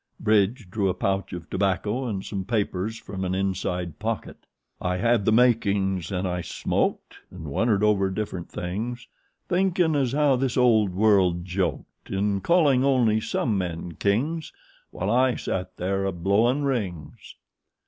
Bridge drew a pouch of tobacco and some papers from an inside pocket. "'I had the makings and I smoked "'And wondered over different things, "'Thinkin' as how this old world joked "'In callin' only some men kings "'While I sat there a blowin' rings.'"